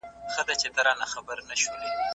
زه بايد درسونه لوستل کړم!؟